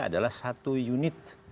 adalah satu unit